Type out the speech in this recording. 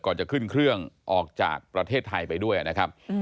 จะขึ้นเครื่องออกจากประเทศไทยไปด้วยนะครับ